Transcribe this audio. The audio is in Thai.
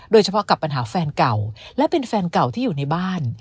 โดยเฉพาะกับปัญหาแฟนเก่าและเป็นแฟนเก่าที่อยู่ในบ้าน